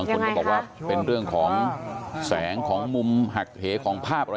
คนก็บอกว่าเป็นเรื่องของแสงของมุมหักเหของภาพอะไร